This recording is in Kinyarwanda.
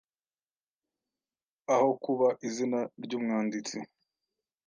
aho kuba izina ry’umwanditsi